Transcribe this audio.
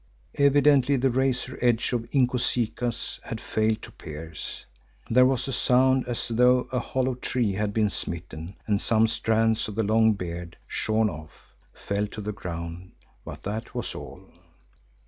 Evidently the razor edge of Inkosikaas had failed to pierce. There was a sound as though a hollow tree had been smitten and some strands of the long beard, shorn off, fell to the ground, but that was all.